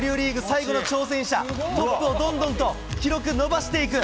最後の挑戦者、トップをどんどんと記録伸ばしていく。